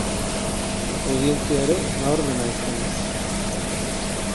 Audientzia ere nabarmena izan da.